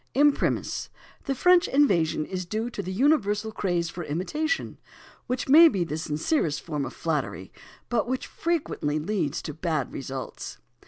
Imprimis, the French invasion is due to the universal craze for imitation, which may be the sincerest form of flattery, but which frequently leads to bad results.